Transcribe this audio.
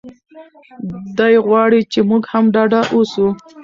دی غواړي چې موږ هم ډاډه اوسو.